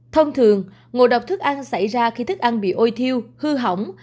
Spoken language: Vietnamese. thông thường ngộ độc thức ăn xảy ra khi thức ăn bị ôi thiêu hư hỏng